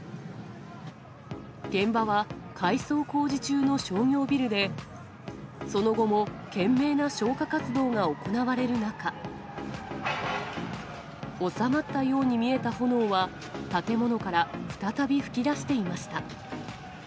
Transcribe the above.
現場は改装工事中の商業ビルで、その後も懸命な消火活動が行われる中、収まったように見えた炎は、建物から再び噴き出していました。